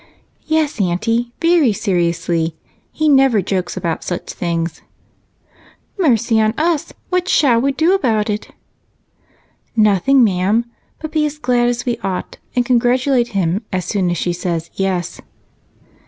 "Yes, Aunty, very seriously. He never jokes about such things." "Mercy on us! What shall we do about it?" "Nothing, ma'am, but be as glad as we ought and congratulate him as soon as she says 'yes.'?